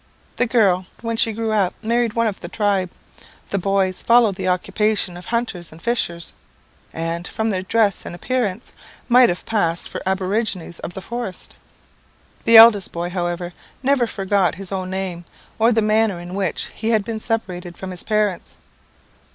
The girl, when she grew up, married one of the tribe; the boys followed the occupation of hunters and fishers, and, from their dress and appearance, might have passed for aborigines of the forest. The eldest boy, however, never forgot his own name, or the manner in which he had been separated from his parents.